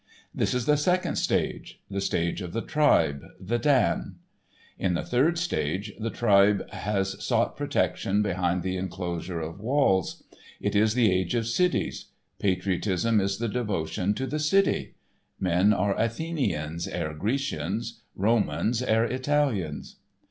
This is the second stage—the stage of the tribe, the dan. In the third stage, the tribe has sought protection behind the inclosure of walls. It is the age of cities; patriotism is the devotion to the city; men are Athenians ere Grecians, Romans ere Italians.